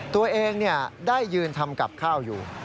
ตัวเองได้ยืนทำกับข้าวอยู่